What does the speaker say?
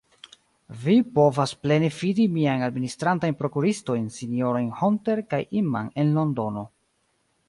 Vi povas plene fidi miajn administrantajn prokuristojn, sinjorojn Hunter kaj Inman en Londono.